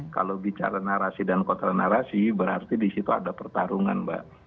kalau bicara narasi dan kontra narasi berarti di situ ada pertarungan mbak